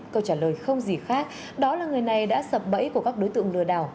câu trả lời không gì khác đó là người này đã sập bẫy của các đối tượng lừa đảo